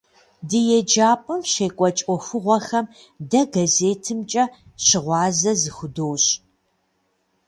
Ди еджапӏэм щекӏуэкӏ ӏуэхугъуэхэм дэ газетымкӏэ щыгъуазэ зыхудощӏ.